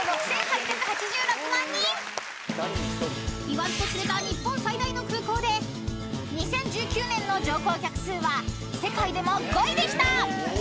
［言わずと知れた日本最大の空港で２０１９年の乗降客数は世界でも５位でした］